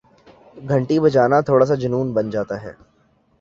گھنٹی بجانا تھوڑا سا جنون بن جاتا ہے